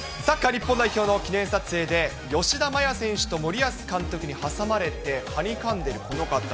サッカー日本代表の記念撮影で、吉田麻也選手と森保監督に挟まれて、はにかんでるこの方。